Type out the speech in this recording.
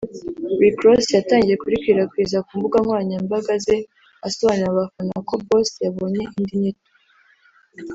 Rick Ross yatangiye kurikwirakwiza ku mbuga nkoranyambaga ze asobanurira abafana ko ‘Boss yabonye indi nyito’